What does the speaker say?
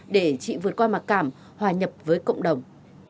để chị vượt qua mặc cảm hòa nhập với cộng đồng